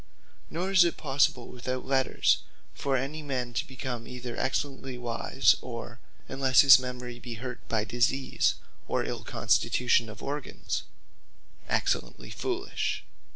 Nor is it possible without Letters for any man to become either excellently wise, or (unless his memory be hurt by disease, or ill constitution of organs) excellently foolish.